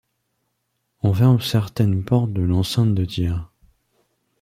On ferme certaines portes de l'enceinte de Thiers.